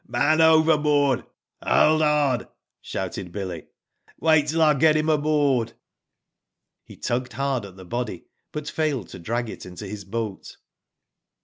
*' Man overboard. Hold hard !'* shouted Billy '' Wait till r get him aboard. He tugged hard at the body, but failed to drag it into his boat.